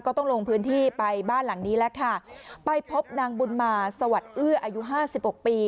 ต้องลงพื้นที่ไปบ้านหลังนี้แล้วค่ะไปพบนางบุญมาสวัสดิ์เอื้ออายุห้าสิบหกปี